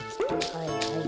はいはい。